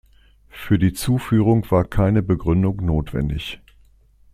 Für die Zuführung war keine Begründung notwendig.